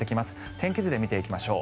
天気図で見ていきましょう。